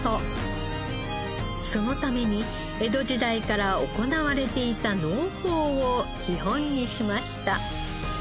そのために江戸時代から行われていた農法を基本にしました。